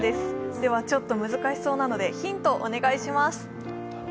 ではちょっと難しそうなのでヒントをお願いします。